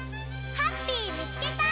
ハッピーみつけた！